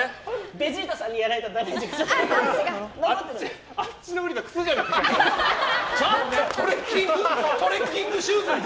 ベジータさんにやられたダメージが。